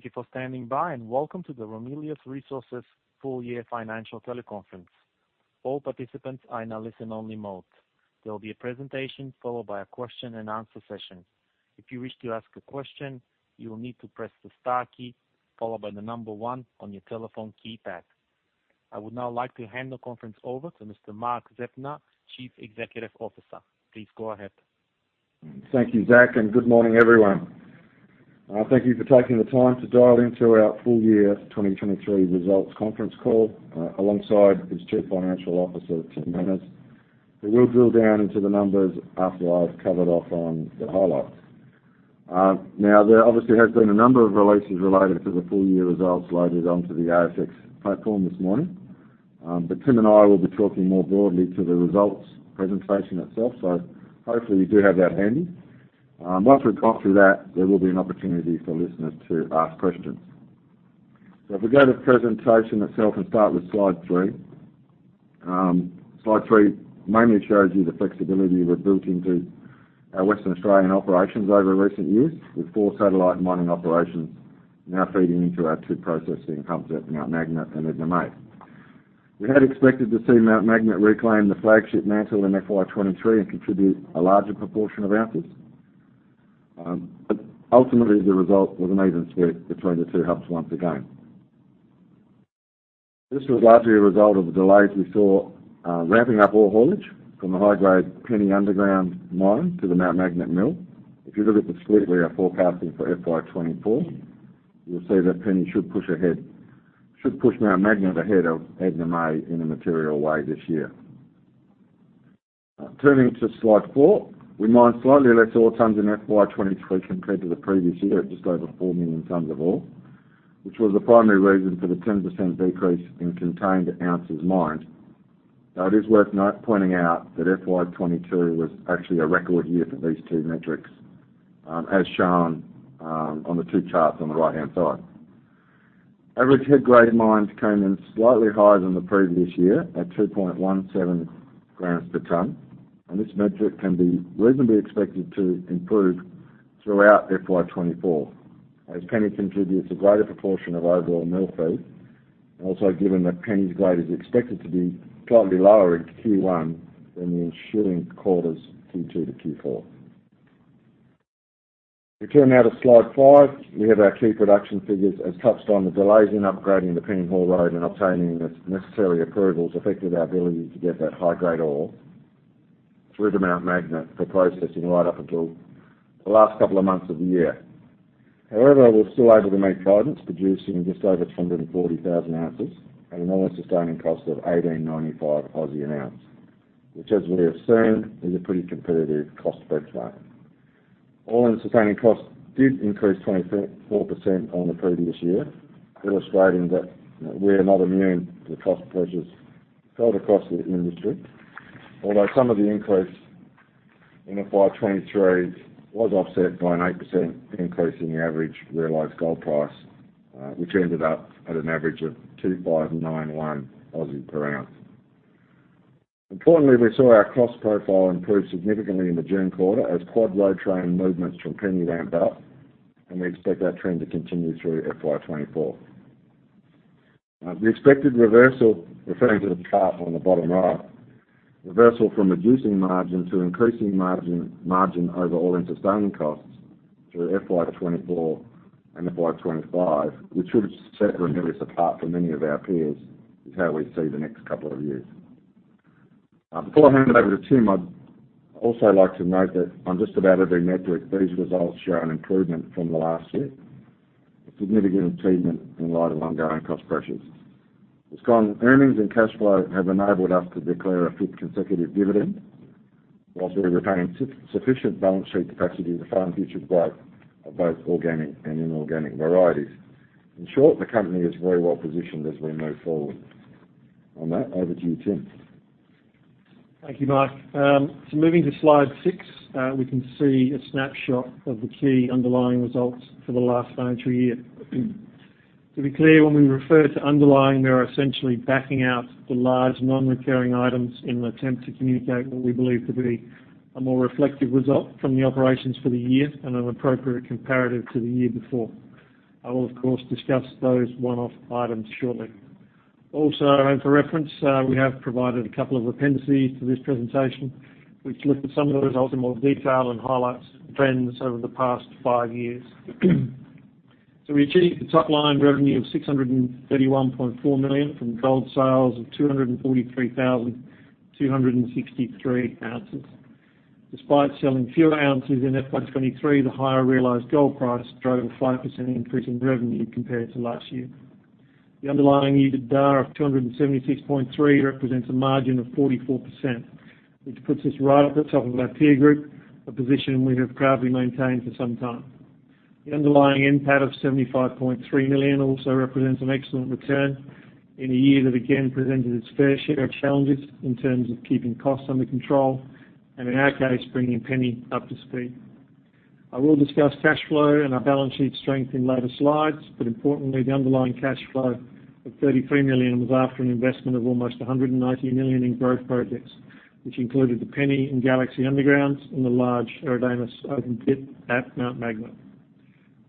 Thank you for standing by, and welcome to the Ramelius Resources full year financial teleconference. All participants are in a listen-only mode. There will be a presentation, followed by a question-and-answer session. If you wish to ask a question, you will need to press the star key, followed by the number one on your telephone keypad. I would now like to hand the conference over to Mr. Mark Zeptner, Chief Executive Officer. Please go ahead. Thank you, Zach, and good morning, everyone. Thank you for taking the time to dial into our full year 2023 results conference call, alongside is Chief Financial Officer, Tim Manners, who will drill down into the numbers after I've covered off on the highlights. Now, there obviously has been a number of releases related to the full-year results loaded onto the ASX platform this morning. But Tim and I will be talking more broadly to the results presentation itself, so hopefully you do have that handy. Once we've got through that, there will be an opportunity for listeners to ask questions. So if we go to the presentation itself and start with slide three. Slide three mainly shows you the flexibility we've built into our Western Australian operations over recent years, with four satellite mining operations now feeding into our two processing hubs at Mt Magnet and Edna May. We had expected to see Mt Magnet reclaim the flagship mantle in FY 2023 and contribute a larger proportion of ounces. But ultimately, the result was an even split between the two hubs once again. This was largely a result of the delays we saw ramping up ore haulage from the high-grade Penny underground mine to the Mt Magnet mill. If you look at the split we are forecasting for FY 2024, you'll see that Penny should push Mt Magnet ahead of Edna May in a material way this year. Turning to slide four, we mined slightly less ore tonnes in FY 2023 compared to the previous year, at just over four million tonnes of ore, which was the primary reason for the 10% decrease in contained ounces mined. Now, it is worth noting, pointing out that FY 2022 was actually a record year for these two metrics, as shown, on the two charts on the right-hand side. Average head grade mined came in slightly higher than the previous year, at 2.17 grams per tonne, and this metric can be reasonably expected to improve throughout FY 2024, as Penny contributes a greater proportion of overall mill feed, and also given that Penny's grade is expected to be slightly lower in Q1 than the ensuing quarters, Q2 to Q4. We turn now to slide five. We have our key production figures, as touched on, the delays in upgrading the Penny Haul Road and obtaining the necessary approvals affected our ability to get that high-grade ore through the Mt Magnet for processing right up until the last couple of months of the year. However, we were still able to make progress, producing just over 240,000 ounces at an all-in sustaining cost of 1,895 an ounce, which, as we have seen, is a pretty competitive cost breakdown. All-in sustaining costs did increase 24% on the previous year, illustrating that, you know, we are not immune to the cost pressures felt across the industry. Although some of the increase in FY 2023 was offset by an 8% increase in the average realized gold price, which ended up at an average of 2,091 per ounce. Importantly, we saw our cost profile improve significantly in the June quarter as quad road train movements from Penny ramped up, and we expect that trend to continue through FY 2024. The expected reversal, referring to the chart on the bottom right, reversal from reducing margin to increasing margin, margin over all-in sustaining costs through FY 2024 and FY 2025, which should set us apart from many of our peers, is how we see the next couple of years. Before I hand it over to Tim, I'd also like to note that on just about every metric, these results show an improvement from last year, a significant achievement in light of ongoing cost pressures. The strong earnings and cash flow have enabled us to declare a fifth consecutive dividend, whilst we retain sufficient balance sheet capacity to fund future growth of both organic and inorganic varieties. In short, the company is very well positioned as we move forward. On that, over to you, Tim. Thank you, Mark. So moving to Slide six, we can see a snapshot of the key underlying results for the last financial year. To be clear, when we refer to underlying, we are essentially backing out the large non-recurring items in an attempt to communicate what we believe to be a more reflective result from the operations for the year and an appropriate comparative to the year before. I will, of course, discuss those one-off items shortly. Also, and for reference, we have provided a couple of appendices to this presentation, which look at some of the results in more detail and highlights trends over the past five years. So we achieved a top-line revenue of 631.4 million from gold sales of 243,263 ounces. Despite selling fewer ounces in FY 2023, the higher realized gold price drove a 5% increase in revenue compared to last year. The underlying EBITDA of 276.3 million represents a margin of 44%, which puts us right at the top of our peer group, a position we have proudly maintained for some time. The underlying NPAT of 75.3 million also represents an excellent return in a year that again presented its fair share of challenges in terms of keeping costs under control and, in our case, bringing Penny up to speed. I will discuss cash flow and our balance sheet strength in later slides, but importantly, the underlying cash flow of 33 million was after an investment of almost 190 million in growth projects... which included the Penny and Galaxy Underground and the large Eridanus open pit at Mt Magnet.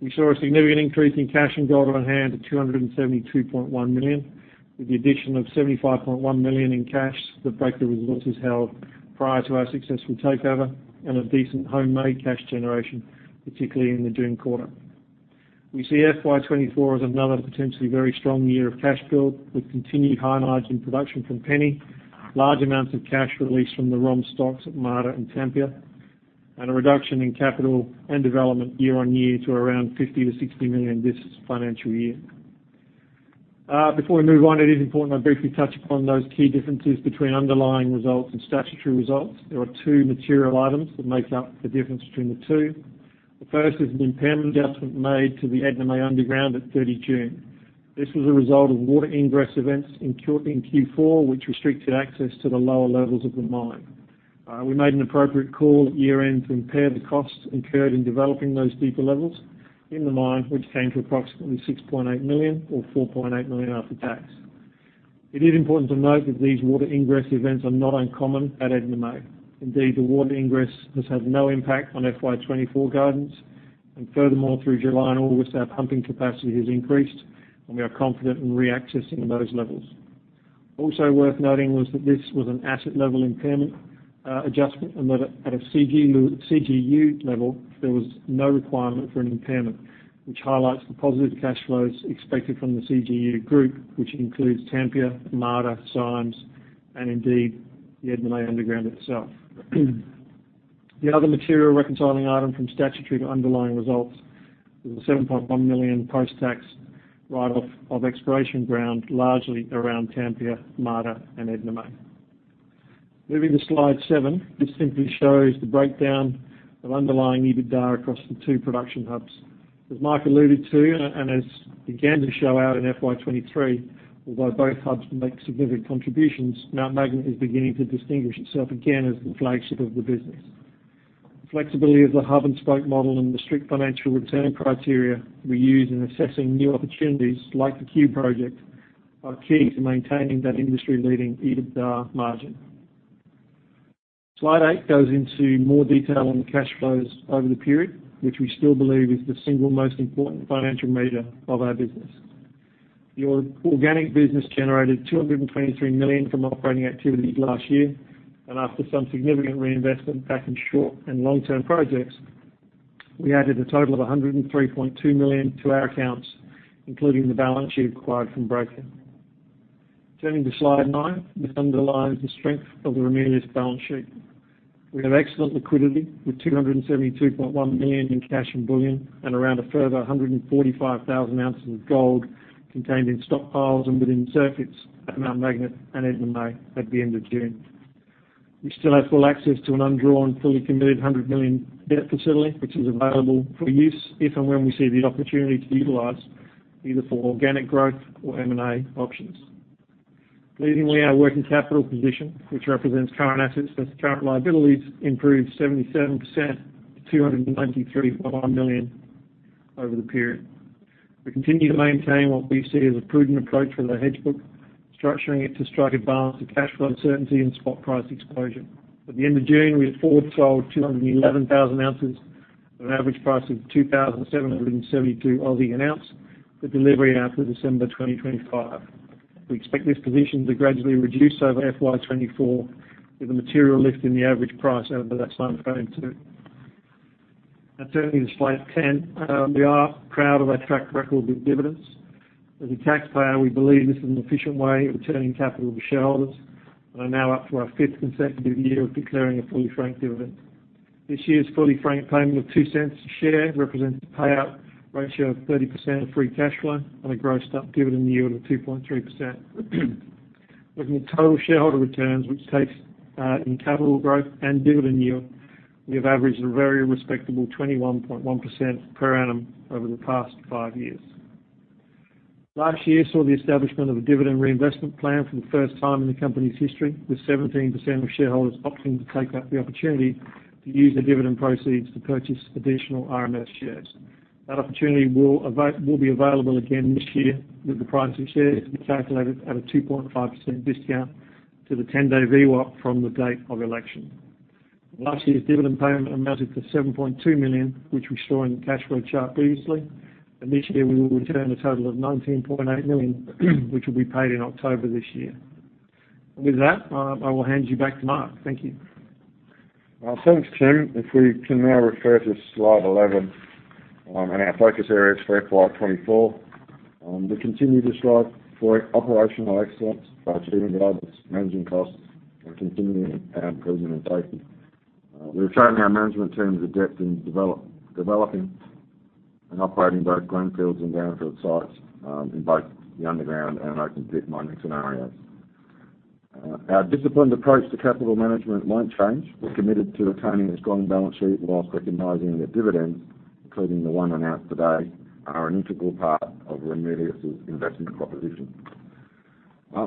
We saw a significant increase in cash and gold on hand to 272.1 million, with the addition of 75.1 million in cash that Breaker Resources held prior to our successful takeover, and a decent homemade cash generation, particularly in the June quarter. We see FY 2024 as another potentially very strong year of cash build, with continued high margin production from Penny, large amounts of cash released from the ROM stocks at Marda and Tampia, and a reduction in capital and development year-on-year to around 50 million-60 million this financial year. Before we move on, it is important I briefly touch upon those key differences between underlying results and statutory results. There are two material items that make up the difference between the two. The first is an impairment adjustment made to the Edna May Underground at 30 June. This was a result of water ingress events in Q, in Q4, which restricted access to the lower levels of the mine. We made an appropriate call at year-end to impair the costs incurred in developing those deeper levels in the mine, which came to approximately 6.8 million, or 4.8 million after tax. It is important to note that these water ingress events are not uncommon at Edna May. Indeed, the water ingress has had no impact on FY 2024 guidance, and furthermore, through July and August, our pumping capacity has increased, and we are confident in reaccessing those levels. Also worth noting was that this was an asset-level impairment, adjustment, and that at a CGU, CGU level, there was no requirement for an impairment, which highlights the positive cash flows expected from the CGU group, which includes Tampia, Marda, Symes, and indeed, the Edna May Underground itself. The other material reconciling item from statutory to underlying results was a 7.1 million post-tax write-off of exploration ground, largely around Tampia, Marda, and Edna May. Moving to Slide seven, this simply shows the breakdown of underlying EBITDA across the two production hubs. As Mark alluded to, and, and as began to show out in FY 2023, although both hubs make significant contributions, Mt Magnet is beginning to distinguish itself again as the flagship of the business. Flexibility of the hub-and-spoke model and the strict financial return criteria we use in assessing new opportunities, like the Cue Project, are key to maintaining that industry-leading EBITDA margin. Slide eight goes into more detail on the cash flows over the period, which we still believe is the single most important financial measure of our business. The organic business generated 223 million from operating activities last year, and after some significant reinvestment back in short- and long-term projects, we added a total of 103.2 million to our accounts, including the balance sheet acquired from Breaker. Turning to Slide 9, this underlines the strength of the Ramelius balance sheet. We have excellent liquidity, with 272.1 million in cash and bullion, and around a further 145,000 ounces of gold contained in stockpiles and within circuits at Mt Magnet and Edna May at the end of June. We still have full access to an undrawn, fully committed 100 million debt facility, which is available for use if and when we see the opportunity to utilize, either for organic growth or M&A options. Pleasingly, our working capital position, which represents current assets less current liabilities, improved 77% to 293.1 million over the period. We continue to maintain what we see as a prudent approach for the hedge book, structuring it to strike a balance of cash flow certainty and spot price exposure. At the end of June, we had forward sold 211,000 ounces at an average price of 2,772 an ounce, with delivery after December 2025. We expect this position to gradually reduce over FY 2024, with a material lift in the average price over that same time, too. Now, turning to Slide 10, we are proud of our track record with dividends. As a taxpayer, we believe this is an efficient way of returning capital to shareholders, and are now up to our fifth consecutive year of declaring a fully franked dividend. This year's fully franked payment of 0.02 a share represents a payout ratio of 30% of free cash flow and a grossed up dividend yield of 2.3%. Looking at total shareholder returns, which takes in capital growth and dividend yield, we have averaged a very respectable 21.1% per annum over the past five years. Last year saw the establishment of a dividend reinvestment plan for the first time in the company's history, with 17% of shareholders opting to take up the opportunity to use their dividend proceeds to purchase additional RMS shares. That opportunity will be available again this year, with the price of shares to be calculated at a 2.5% discount to the 10-day VWAP from the date of election. Last year's dividend payment amounted to 7.2 million, which we saw in the cash flow chart previously, and this year we will return a total of 19.8 million, which will be paid in October this year. With that, I will hand you back to Mark. Thank you. Thanks, Tim. If we can now refer to Slide 11, and our focus areas for FY 2024. We continue to strive for operational excellence by achieving reliability, managing costs, and continuing our improvements taken. We've shown our management team's adept in developing and operating both greenfields and brownfield sites, in both the underground and open pit mining scenarios. Our disciplined approach to capital management won't change. We're committed to retaining a strong balance sheet while recognizing that dividends, including the one announced today, are an integral part of Ramelius' investment proposition.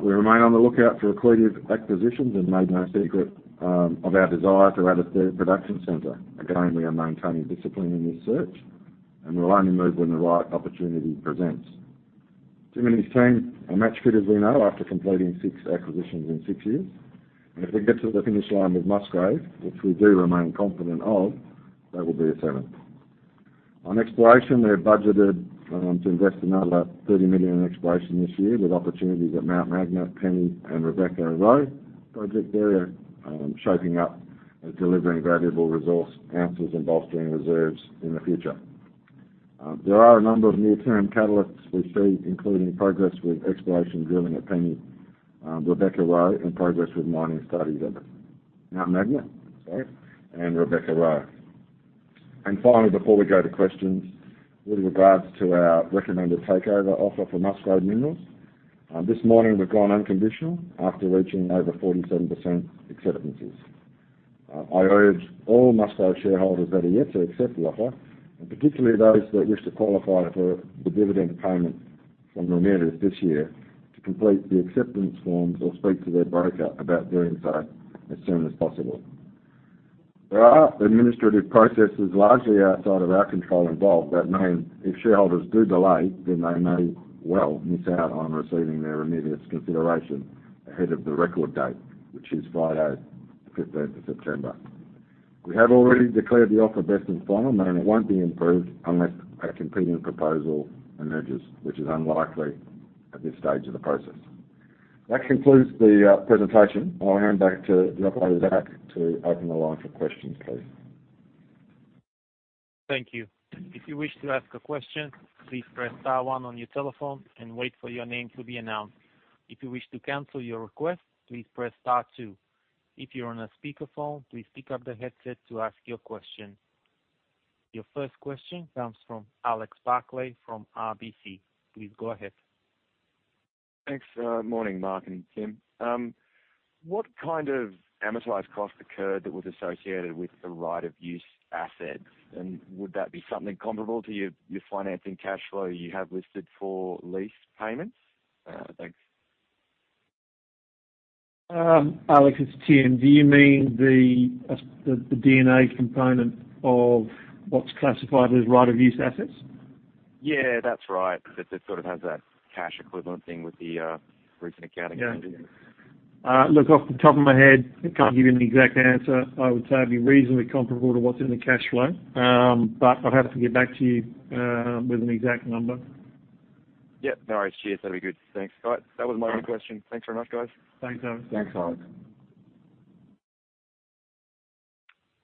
We remain on the lookout for accretive acquisitions and made no secret of our desire to add a third production center. Again, we are maintaining discipline in this search, and we'll only move when the right opportunity presents.... Tim and his team are match fit, as we know, after completing six acquisitions in six years. If we get to the finish line with Musgrave, which we do remain confident of, that will be the seventh. On exploration, we have budgeted to invest another 30 million in exploration this year, with opportunities at Mt Magnet, Penny, and Rebecca/Roe Project area shaping up and delivering valuable resource ounces and bolstering reserves in the future. There are a number of near-term catalysts we see, including progress with exploration, drilling at Penny, Rebecca/Roe, and progress with mining study at Mt Magnet, sorry, and Rebecca/Roe. Finally, before we go to questions, with regards to our recommended takeover offer for Musgrave Minerals, this morning, we've gone unconditional after reaching over 47% acceptances. I urge all Musgrave shareholders that are yet to accept the offer, and particularly those that wish to qualify for the dividend payment from Ramelius this year, to complete the acceptance forms or speak to their broker about doing so as soon as possible. There are administrative processes, largely outside of our control involved, that mean if shareholders do delay, then they may well miss out on receiving their Ramelius consideration ahead of the record date, which is Friday, the fifteenth of September. We have already declared the offer best and final, meaning it won't be improved unless a competing proposal emerges, which is unlikely at this stage of the process. That concludes the presentation. I'll hand back to the operator, Zach, to open the line for questions, please. Thank you. If you wish to ask a question, please press star one on your telephone and wait for your name to be announced. If you wish to cancel your request, please press star two. If you're on a speakerphone, please pick up the headset to ask your question. Your first question comes from Alex Barkley from RBC. Please go ahead. Thanks. Morning, Mark and Tim. What kind of amortized cost occurred that was associated with the right of use assets? And would that be something comparable to your, your financing cash flow you have listed for lease payments? Thanks. Alex, it's Tim. Do you mean the D&A component of what's classified as right of use assets? Yeah, that's right. That it sort of has that cash equivalent thing with the recent accounting changes. Yeah. Look, off the top of my head, I can't give you an exact answer. I would say it'd be reasonably comparable to what's in the cash flow. But I'd have to get back to you with an exact number. Yep, no worries. Cheers. That'd be good. Thanks. All right. That was my only question. Thanks very much, guys. Thanks, Alex. Thanks, Alex.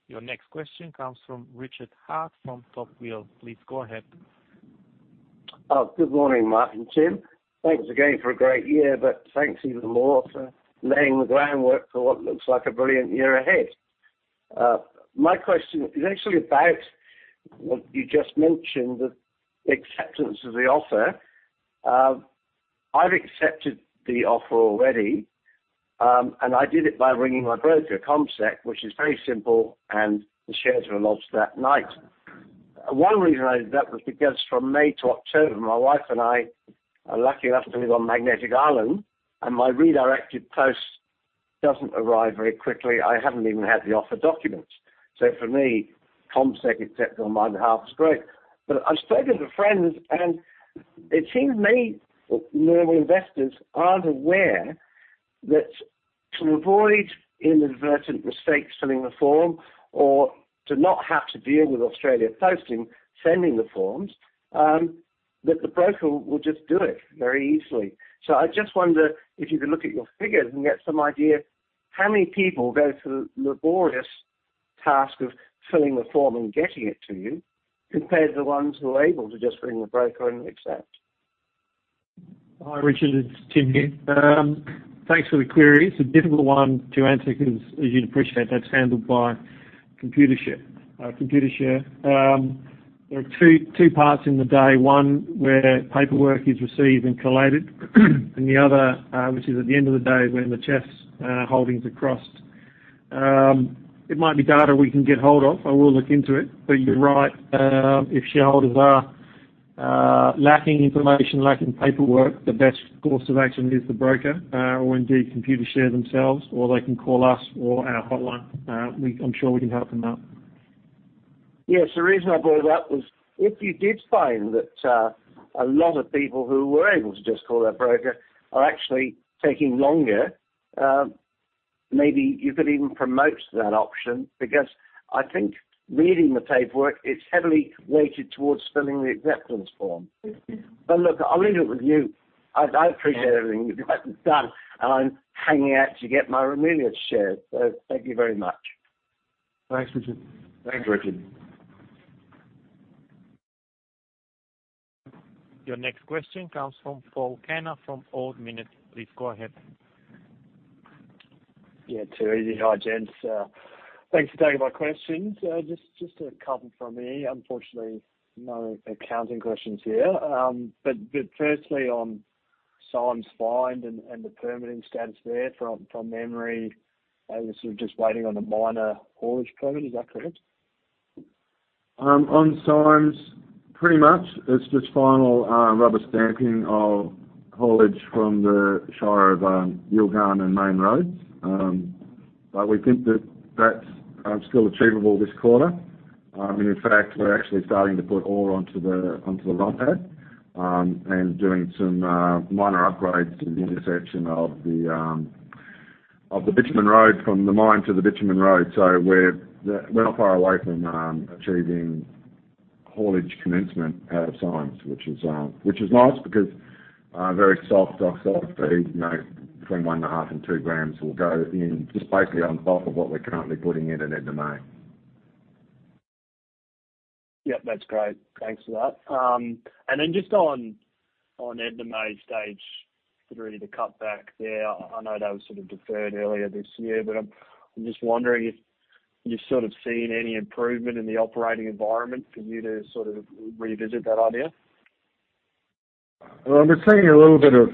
Your next question comes from Richard Hart from Townsville. Please go ahead. Good morning, Mark and Tim. Thanks again for a great year, but thanks even more for laying the groundwork for what looks like a brilliant year ahead. My question is actually about what you just mentioned, the acceptance of the offer. I've accepted the offer already, and I did it by ringing my broker, CommSec, which is very simple, and the shares were lodged that night. One reason I did that was because from May to October, my wife and I are lucky enough to live on Magnetic Island, and my redirected post doesn't arrive very quickly. I haven't even had the offer documents. So for me, CommSec accepting on my behalf is great. But I've spoken to friends, and it seems to me that normal investors aren't aware that to avoid inadvertent mistakes filling the form or to not have to deal with Australia Post, sending the forms, that the broker will just do it very easily. So I just wonder if you can look at your figures and get some idea how many people go through the laborious task of filling the form and getting it to you, compared to the ones who are able to just ring the broker and accept? Hi, Richard, it's Tim here. Thanks for the query. It's a difficult one to answer because as you'd appreciate, that's handled by Computershare. There are two, two parts in the day, one, where paperwork is received and collated, and the other, which is at the end of the day, when the CHESS holdings are crossed. It might be data we can get hold of. I will look into it. But you're right, if shareholders are lacking information, lacking paperwork, the best course of action is the broker, or indeed, Computershare themselves, or they can call us or our hotline. I'm sure we can help them out. Yes, the reason I brought it up was, if you did find that a lot of people who were able to just call their broker are actually taking longer, maybe you could even promote that option, because I think reading the paperwork, it's heavily weighted towards filling the acceptance form. But look, I'll leave it with you. I appreciate everything you've done, and I'm hanging out to get my Ramelius shares. So thank you very much. Thanks, Richard. Thanks, Richard. Your next question comes from Paul Turner from Ord Minnett. Please go ahead. Yeah, too easy. Hi, gents. Thanks for taking my questions. Just a couple from me. Unfortunately, no accounting questions here. But firstly, on the Symes mine and the permitting status there. From memory, I was sort of just waiting on a minor haulage permit. Is that correct? On Symes, pretty much. It's just final rubber stamping of haulage from the Shire of Yilgarn and Main Roads. But we think that that's still achievable this quarter. And in fact, we're actually starting to put ore onto the ROM pad, and doing some minor upgrades in the intersection of the bitumen road from the mine to the bitumen road. So we're not far away from achieving haulage commencement out of Symes, which is nice because very soft oxide to a soft feed, you know, between one and a half and two grams will go in, just basically on top of what we're currently putting in at Edna May. Yep, that's great. Thanks for that. And then just on, on Edna May Stage three, the cutback there, I know that was sort of deferred earlier this year, but I'm just wondering if you've sort of seen any improvement in the operating environment for you to sort of revisit that idea? Well, we're seeing a little bit of,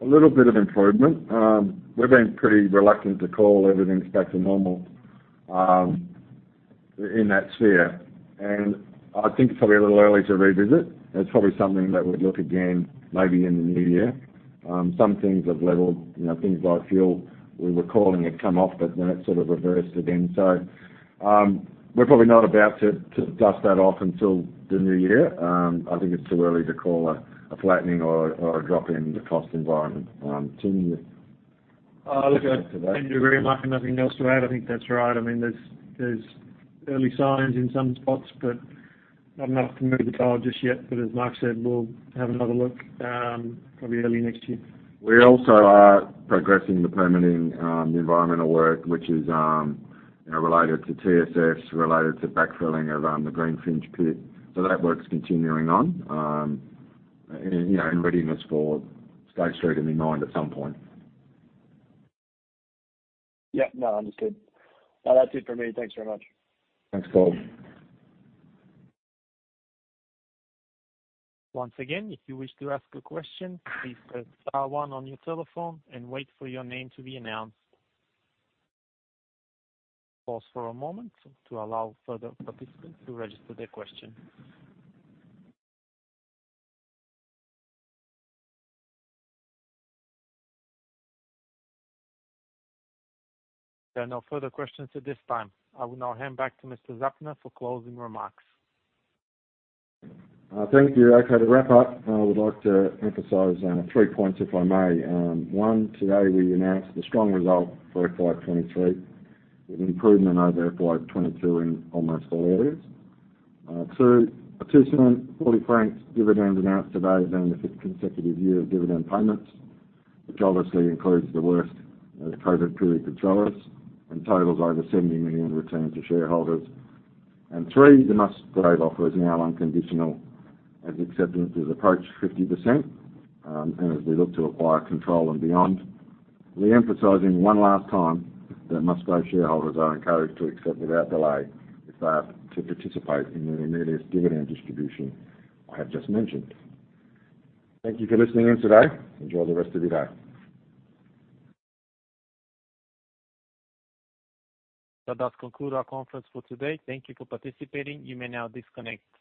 a little bit of improvement. We've been pretty reluctant to call everything's back to normal, in that sphere. And I think it's probably a little early to revisit. It's probably something that we'd look again, maybe in the new year. Some things have leveled. You know, things like fuel, we were calling it come off, but then it sort of reversed again. So, we're probably not about to dust that off until the new year. I think it's too early to call a flattening or a drop in the cost environment, Tim? Look, I agree with Mark and nothing else to add. I think that's right. I mean, there's early signs in some spots, but I'm not ready to call it just yet. But as Mark said, we'll have another look, probably early next year. We also are progressing the permitting, the environmental work, which is, you know, related to TSFs, related to backfilling of, the Greenfinch pit. So that work's continuing on, and, you know, in readiness for Stage three to be mined at some point. Yeah. No, understood. Well, that's it for me. Thanks very much. Thanks, Paul. Once again, if you wish to ask a question, please press star one on your telephone and wait for your name to be announced. Pause for a moment to allow further participants to register their question. There are no further questions at this time. I will now hand back to Mr. Zeptner for closing remarks. Thank you. Okay, to wrap up, I would like to emphasize three points, if I may. One, today we announced a strong result for FY 2023, with improvement over FY 2022 in almost all areas. Two, an 0.02 fully franked dividend announced today is then the fifth consecutive year of dividend payments, which obviously includes the worst COVID period for us, and totals over 70 million returned to shareholders. And three, the Musgrave offer is now unconditional, as acceptance has approached 50%. And as we look to acquire control and beyond, re-emphasizing one last time that Musgrave shareholders are encouraged to accept without delay, if they are to participate in the immediate dividend distribution I have just mentioned. Thank you for listening in today. Enjoy the rest of your day. That does conclude our conference for today. Thank you for participating. You may now disconnect.